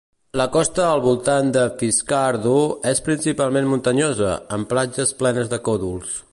La costa al voltant de Fiskardo és principalment muntanyosa, amb platges plenes de còdols.